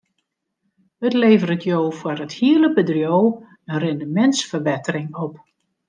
It leveret jo foar it hiele bedriuw in rindemintsferbettering op.